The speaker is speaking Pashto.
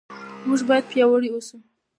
موږ باید پیاوړي اوسو.